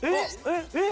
えっ！